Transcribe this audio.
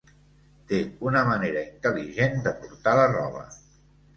Té una manera intel·ligent de portar la roba.